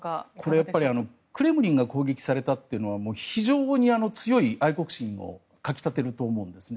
これはクレムリンが攻撃されたというのは非常に強い愛国心をかき立てると思うんですね。